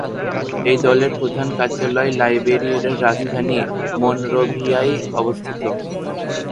এই দলের প্রধান কার্যালয় লাইবেরিয়ার রাজধানী মনরোভিয়ায় অবস্থিত।